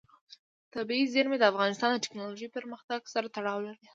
طبیعي زیرمې د افغانستان د تکنالوژۍ پرمختګ سره تړاو لري.